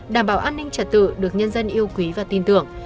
đảm bảo an ninh trật tự được nhân dân yêu quý và tin tưởng